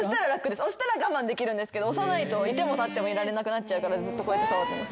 押したら我慢できるんですけど押さないと居ても立ってもいられなくなっちゃうからずっとこうやって触ってます。